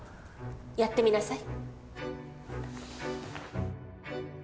やってみなさい。